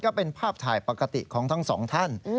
ก็เป็นภาพถ่ายปกติของทั้งสองท่าน